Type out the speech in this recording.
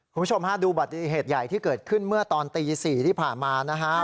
คุณผู้ชมฮะดูบัติเหตุใหญ่ที่เกิดขึ้นเมื่อตอนตี๔ที่ผ่านมานะฮะ